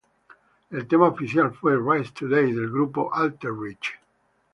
El tema oficial fue ""Rise Today"" del grupo Alter Bridge.